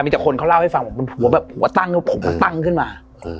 มีแต่คนเขาเล่าให้ฟังผมเป็นหัวแบบหัวตั้งผมตั้งขึ้นมา